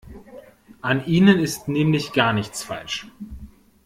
An ihnen ist nämlich gar nichts falsch.